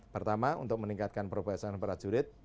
pertama untuk meningkatkan perbaikan para jurid